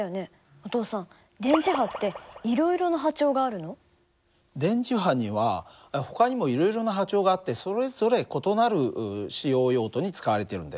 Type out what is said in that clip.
お父さん電磁波にはほかにもいろいろな波長があってそれぞれ異なる使用用途に使われているんだよね。